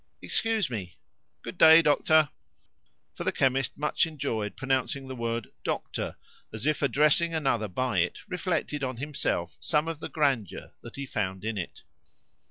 Excuse me. Good day, doctor," (for the chemist much enjoyed pronouncing the word "doctor," as if addressing another by it reflected on himself some of the grandeur that he found in it).